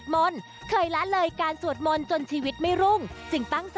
แม่จ๊างานหน้า๑๐๐ล้าน